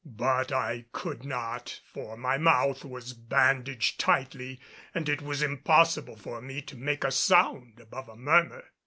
But I could not, for my mouth was bandaged tightly and it was impossible for me to make a sound above a murmur.